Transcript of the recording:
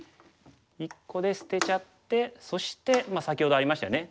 １個で捨てちゃってそして先ほどありましたよね